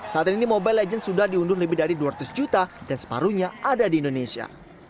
saat ini mobile legends sudah diundur lebih dari dua ratus juta dan separuhnya ada di indonesia